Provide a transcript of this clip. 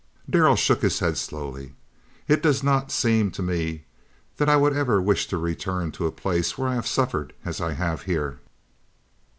Darrell shook his head slowly. "It does not seem to me that I would ever wish to return to a place where I had suffered as I have here."